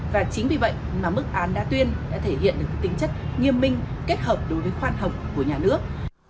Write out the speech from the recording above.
và chính vì vậy mà mức án đa tuyên đã thể hiện được tính chất nghiêm minh kết hợp đối với khoan hồng của nhà nước